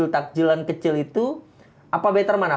takjilan kecil itu apa better mana